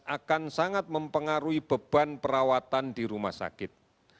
akan sangat mempengaruhi beban perawatan di rumah sakit